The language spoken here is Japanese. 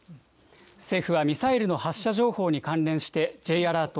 政府はミサイルの発射情報に関連して、Ｊアラート